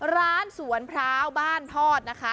ร้านสวนพร้าวบ้านทอดนะคะ